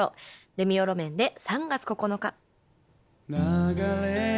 レミオロメンで「３月９日」。